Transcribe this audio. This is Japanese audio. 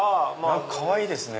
何かかわいいですね